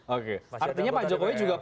oke artinya pak jokowi juga